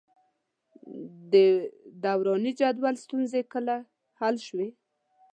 د دوراني جدول ستونزې کله حل شوې؟